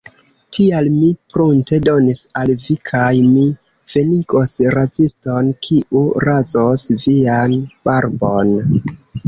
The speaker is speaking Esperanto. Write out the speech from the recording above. Tial, mi prunte donis al vi, kaj mi venigos raziston kiu razos vian barbon.